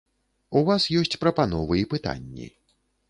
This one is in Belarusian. У вас ёсць прапановы і пытанні.